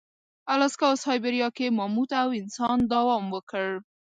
الاسکا او سابیریا کې ماموت او انسان دوام وکړ.